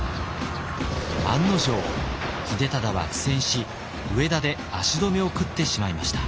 案の定秀忠は苦戦し上田で足止めを食ってしまいました。